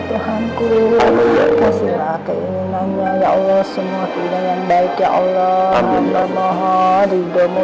tuhanku kasihlah keinginannya ya allah semua pilihan yang baik ya allah ya allah mohon hidupmu